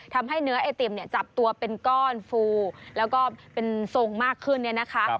ทำให้เนื้อไอติมเนี่ยจับตัวเป็นก้อนฟูแล้วก็เป็นทรงมากขึ้นเนี่ยนะคะ